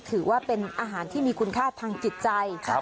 ถือว่าเป็นอาหารที่มีคุณค่าทางจิตใจ